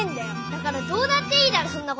だからどうだっていいだろそんなこと。